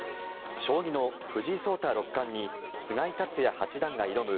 将棋の藤井聡太六冠に菅井竜也八段が挑む